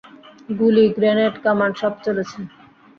গুলি, গ্রেনেড, কামান, সব চলেছে।